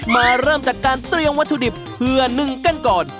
มาเริ่มจากการเตรียมวัตถุดิบเพื่อนึ่งกันก่อน